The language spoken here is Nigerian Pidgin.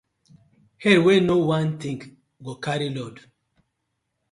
Head wey no wan think, go carry load: